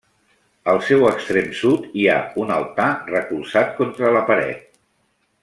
Al seu extrem sud hi ha un altar recolzat contra la paret.